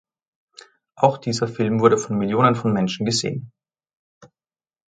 Auch dieser Film wurde von Millionen von Menschen gesehen.